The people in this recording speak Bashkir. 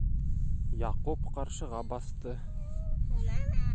Яҡуп ҡаршыға баҫты.